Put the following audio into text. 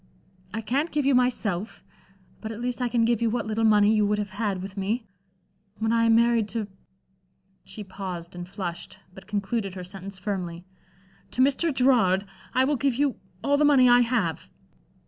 I can't give you myself, but at least I can give you what little money you would have had with me. When I am married to" she paused and flushed, but concluded her sentence firmly "to Mr. Gerard, I will give you all the money I have."